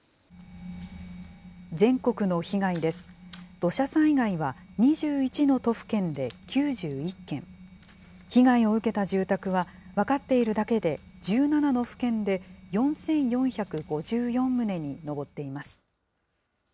土砂災害は２１の都府県で９１件、被害を受けた住宅は、分かっているだけで１７の府県で４４５４棟に上っています。